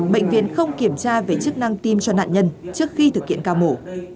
bệnh viện không kiểm tra về chức năng tim cho nạn nhân trước khi thực hiện ca mổ